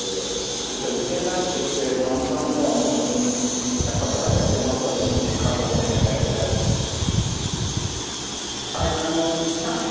ですからうちに帰ってきて３時間くらいの時にやっぱり誰かにいてもらったほうがいいかなと思いますが、いかがでしょうか。